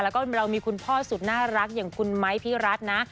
แล้วก็เรามีคุณพ่อสุดน่ารักอย่างคุณไม้พี่รัฐนะ